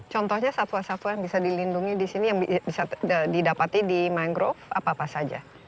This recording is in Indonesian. contohnya satwa satwa yang bisa dilindungi di sini yang bisa didapati di mangrove apa apa saja